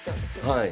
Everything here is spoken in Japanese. はい。